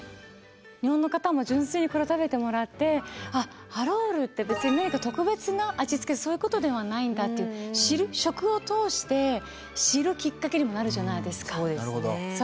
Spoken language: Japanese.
日本の方も純粋にこれを食べてもらって「あっハラルって別に何か特別な味付けそういうことではないんだ」って知る食を通して知るきっかけにもなるじゃないですか。